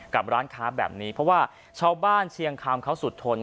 กับร้านค้าแบบนี้เพราะว่าชาวบ้านเชียงคำเขาสุดทน